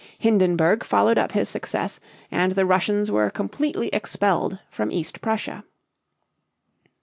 Hindenburg followed up his success, and the Russians were completely expelled from East Prussia.